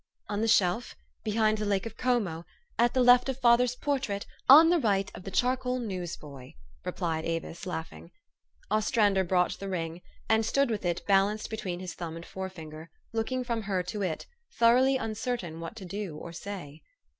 "" On the shelf, behind the Lake of Como, at the left of father's portrait, on the right of the char coal newsboy," replied Avis, laughing. Ostrander brought the ring, and stood with it balanced between his thumb and forefinger, looking from her to it, thoroughly uncertain what to do or say.